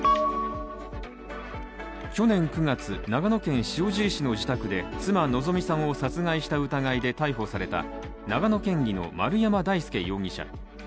去年９月、長野県塩尻市の自宅で妻、希美さんを殺害した疑いで逮捕された長野県議の丸山大輔容疑者。